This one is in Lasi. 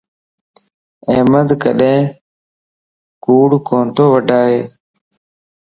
احمد ڪڏين ڪوڙ ڪوتو وڊائي